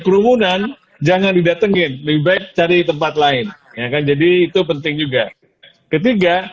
kerumunan jangan didatengin lebih baik cari tempat lain ya kan jadi itu penting juga ketiga